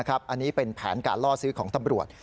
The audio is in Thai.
อันนี้เป็นแผนการล่อซื้อของตำรวจ